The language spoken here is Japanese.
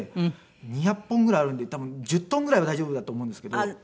２００本ぐらいあるんで多分１０トンぐらいは大丈夫だと思うんですけど。